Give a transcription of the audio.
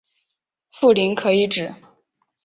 富临可以指